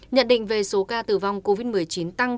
nhận định về số ca tử vong covid một mươi chín tăng